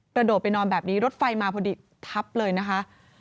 โดดไปนอนแบบนี้รถไฟมาพอดีทับเลยนะคะ